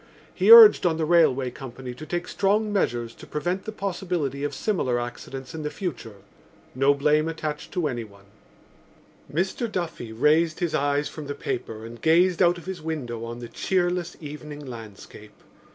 He urged on the railway company to take strong measures to prevent the possibility of similar accidents in the future. No blame attached to anyone. Mr Duffy raised his eyes from the paper and gazed out of his window on the cheerless evening landscape.